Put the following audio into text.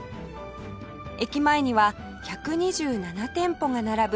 駅前には１２７店舗が並ぶ